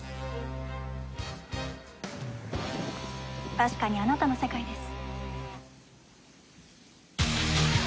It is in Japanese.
確かにあなたの世界です。